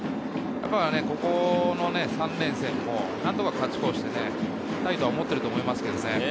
ここの３連戦も何とか勝ち越して行きたいと思っていると思います。